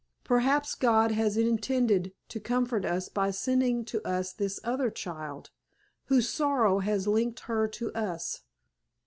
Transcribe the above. Perhaps God has intended to comfort us by sending to us this other child, whose sorrow has linked her to us.